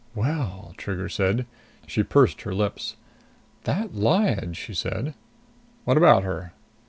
"Well...." Trigger said. She pursed her lips. "That Lyad...." she said. "What about her?"